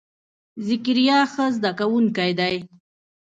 ذکریا ښه زده کونکی دی.